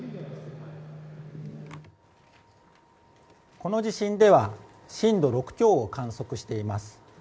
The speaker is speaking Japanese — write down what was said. この地震では震度６強を観測しています。